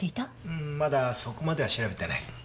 うーんまだそこまでは調べてない。